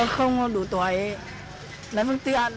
em không đủ tòi đánh bức tiện